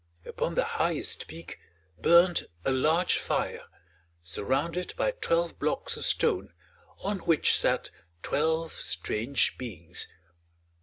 Upon the highest peak burnt a large fire, surrounded by twelve blocks of stone, on which sat twelve strange beings.